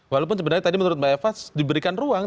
walaupun sebenarnya tadi menurut mbak eva diberikan ruang